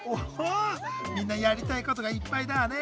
みんなやりたいことがいっぱいだね。